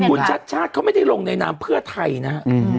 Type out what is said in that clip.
คุณชัดชาติเขาไม่ได้ลงในนามเพื่อไทยนะฮะ